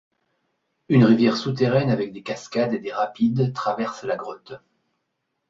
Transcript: Une rivière souterraine avec des cascades et des rapides traverse la grotte.